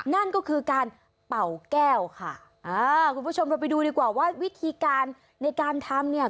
นั่นก็คือการเป่าแก้วค่ะอ่าคุณผู้ชมเราไปดูดีกว่าว่าวิธีการในการทำเนี่ย